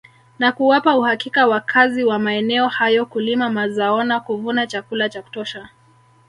Na kuwapa uhakika wakazi wa maeneo hayo kulima mazaona kuvuna chakula cha kutosha